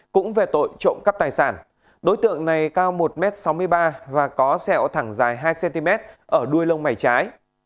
cũng về tội trộm cắp tài sản đối tượng này cao một sáu mươi ba m và có sẹo thẳng dài hai cm ở đuôi lông mảy trái